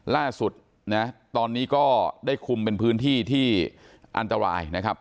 ล่าสุดนะตอนนี้ก็ได้คุมเป็นพื้นที่ที่อันตรายนะครับ